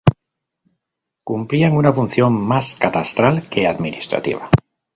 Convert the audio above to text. Cumplían una función más catastral que administrativa.